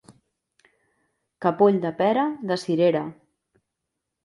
Capoll de pera, de cirera.